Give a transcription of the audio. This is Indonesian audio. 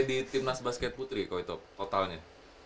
di tim nas basket putri kalau itu totalnya